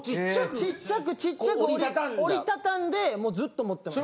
ちっちゃくちっちゃく折り畳んでもうずっと持ってます。